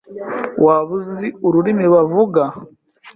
Waba uzi ururimi bavuga?